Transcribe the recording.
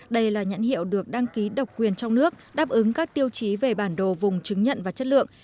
đây là nhãn hiệu được đăng ký độc quyền trong nước đáp ứng các tiêu chí về bản đồ vùng chứng nhận và chất lượng